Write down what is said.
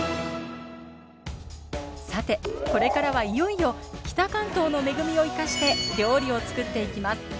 さてこれからはいよいよ北関東の恵みを生かして料理を作っていきます。